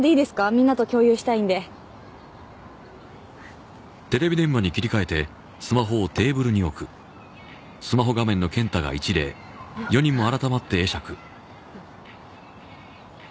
みんなと共有したいんでおっ